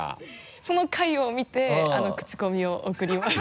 その回を見てクチコミを送りました。